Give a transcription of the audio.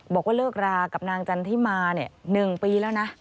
บอกว่าเลิกรากับนางจันทิมา๑ปีแล้วนะ